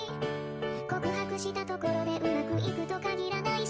告白したところでうまく行くと限らないし